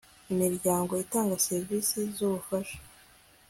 imiryango itanga serivisi z ubufasha